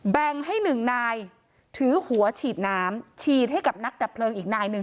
แบ่งให้หนึ่งนายถือหัวฉีดน้ำฉีดให้กับนักดับเพลิงอีกนายหนึ่ง